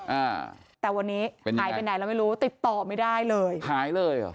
อ่าแต่วันนี้เป็นยังไงหายไปไหนเราไม่รู้ติดต่อไม่ได้เลยหายเลยเหรอ